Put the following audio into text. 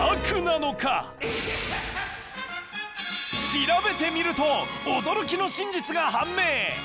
調べてみると驚きの真実が判明。